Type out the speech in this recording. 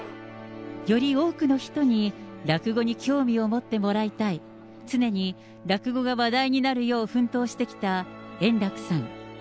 より多くの人に、落語に興味を持ってもらいたい、常に落語が話題になるよう奮闘してきた円楽さん。